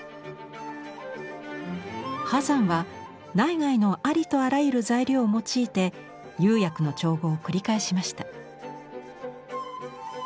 波山は内外のありとあらゆる材料を用いて釉薬の調合を繰り返しました。